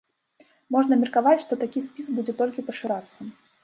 Можна меркаваць, што такі спіс будзе толькі пашырацца.